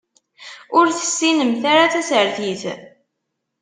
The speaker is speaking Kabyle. Ur tessinemt ara tasertit.